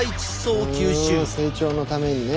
成長のためにね。